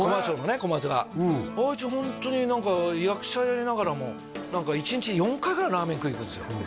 小松があいつホントに何か役者やりながらも一日に４回ぐらいラーメン食いに行くんですよ